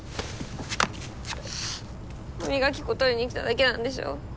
歯磨き粉取りに来ただけなんでしょ？